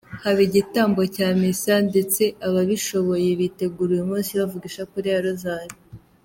Haba igitambo cya misa ndetse ababishoboye bitegura uyu munsi bavuga ishapule ya Rozari.